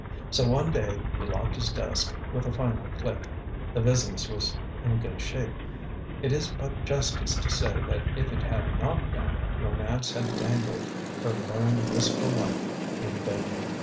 So one day he locked his desk with a final click. The business was in good shape. It is but justice to say that if it had not been, Romance had dangled her luring wisp o' light in vain.